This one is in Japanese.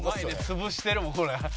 潰してるもんほら。